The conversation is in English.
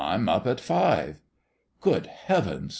I'm up at five." "Good Heavens!"